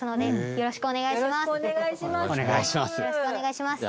よろしくお願いします。